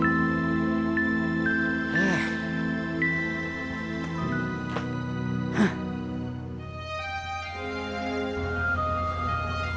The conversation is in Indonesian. kamu mana idan